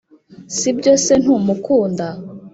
sibyo se ntumukunda?